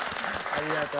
ありがとう。